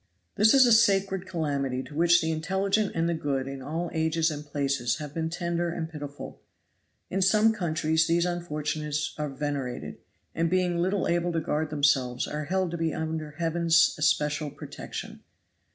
"This is a sacred calamity to which the intelligent and the good in all ages and places have been tender and pitiful. In some countries these unfortunates are venerated, and being little able to guard themselves are held to be under Heaven's especial protection.